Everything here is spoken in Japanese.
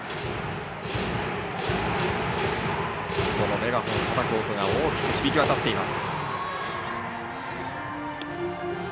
メガホンをたたく音が大きく響き渡っています。